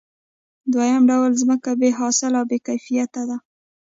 دویم ډول ځمکه بې حاصله او بې کیفیته ده